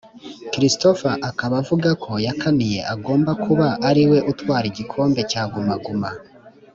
Christopher akaba avuga ko yakaniye agomba kuba ariwe utwara igikombe cya guma guma